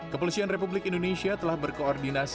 kepolisian republik indonesia telah berkoordinasi